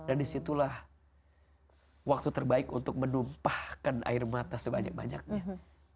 dan disitulah waktu terbaik untuk menumpahkan air mata sebanyak banyaknya